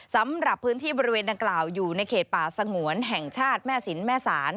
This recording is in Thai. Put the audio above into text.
สำหรับพื้นที่บริเวณดังกล่าวอยู่ในเขตป่าสงวนแห่งชาติแม่สินแม่ศาล